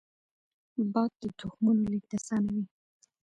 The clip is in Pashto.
باد د تخمونو لیږد اسانوي